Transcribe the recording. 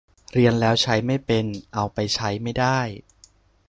เรียนแล้วใช้ไม่เป็น เอาไปใช้ไม่ได้